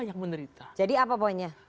banyak menderita jadi apa poinnya